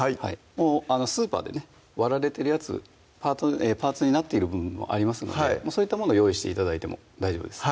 もうスーパーでね割られてるやつパーツになっている部分もありますのでそういったもの用意して頂いても大丈夫です